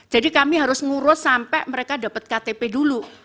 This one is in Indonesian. jadi kami harus ngurus sampai mereka dapat ktp dulu